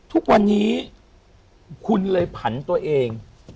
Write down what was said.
ทุกวันนี้คุณเลยผันตัวเอง